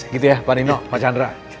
gitu ya pak nino mas chandra